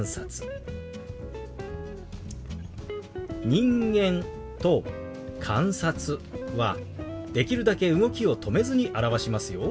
「人間」と「観察」はできるだけ動きを止めずに表しますよ。